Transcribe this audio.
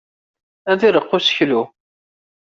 Ad ireqq useklu.